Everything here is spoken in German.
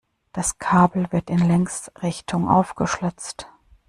Das Kabel wird in Längsrichtung aufgeschlitzt.